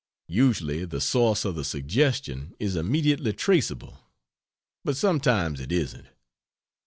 Usually the source of the suggestion is immediately traceable, but sometimes it isn't.